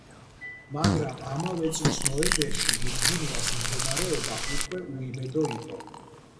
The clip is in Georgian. მაგრამ ამავე წლის ნოემბერში, ვირჯინიას მდგომარეობა უკვე უიმედო იყო.